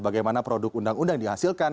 bagaimana produk undang undang yang dihasilkan